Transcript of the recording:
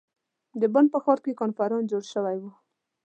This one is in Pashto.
د بن په ښار کې کنفرانس جوړ شوی ؤ.